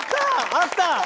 あった！